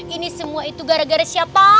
ini semua itu gara gara siapa